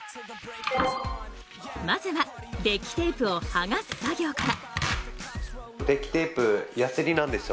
まずはデッキテープを剥がす作業から。